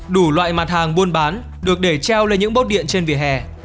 đủ loại mặt hàng buôn bán được để treo lên những bốt điện trên vỉa hè